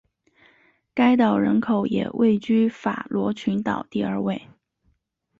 该岛人口也位居法罗群岛第二位。